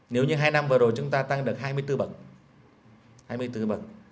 nếu như hai năm vừa rồi chúng ta tăng được hai mươi bốn bậc hai mươi bốn bậc